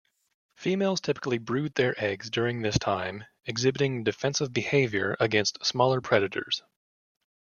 Females typically brood their eggs during this time, exhibiting defensive behavior against smaller predators.